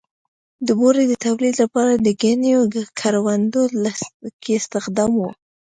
د بورې د تولید لپاره د ګنیو کروندو کې استخدام و.